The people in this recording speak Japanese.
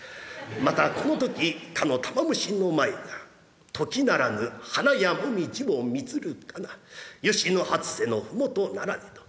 またこの時かの玉虫の前が「時ならぬ花や紅葉をみつるかなよしの初瀬のふもとならねど。